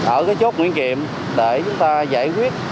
ở cái chốt nguyễn kiệm để chúng ta giải quyết